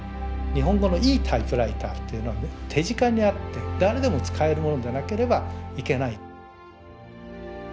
日本語のいいタイプライターっていうのはね手近にあって誰でも使える物でなければいけない。